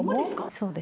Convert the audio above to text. そうです。